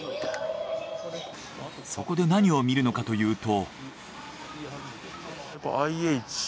そこで何を見るのかというと。